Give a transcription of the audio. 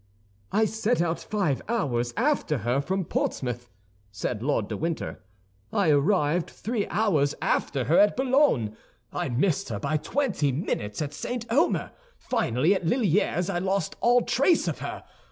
"I set out five hours after her from Portsmouth," said Lord de Winter. "I arrived three hours after her at Boulogne. I missed her by twenty minutes at St. Omer. Finally, at Lilliers I lost all trace of her.